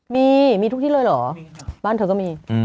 มีมีทุกที่เลยเหรอบ้านเธอก็มี